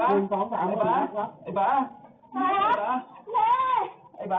ไอ้ฟ้าไอ้ฟ้าไอ้ฟ้าไอ้ฟ้า